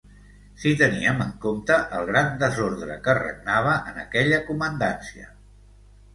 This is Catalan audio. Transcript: Si teníem en compte el gran desordre que regnava en aquella Comandància...